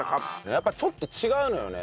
やっぱちょっと違うのよね。